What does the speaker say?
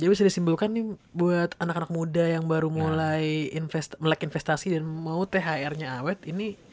jadi bisa disimbulkan nih buat anak anak muda yang baru mulai melek investasi dan mau thr nya awet ini